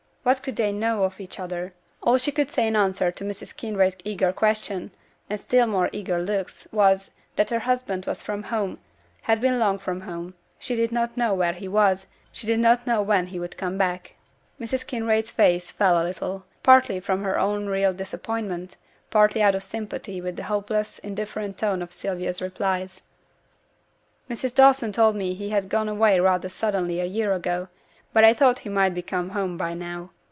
what could they know of each other? All she could say in answer to Mrs. Kinraid's eager questions, and still more eager looks, was, that her husband was from home, had been long from home: she did not know where he was, she did not know when he would come back. Mrs. Kinraid's face fell a little, partly from her own real disappointment, partly out of sympathy with the hopeless, indifferent tone of Sylvia's replies. 'Mrs. Dawson told me he had gone away rather suddenly a year ago, but I thought he might be come home by now.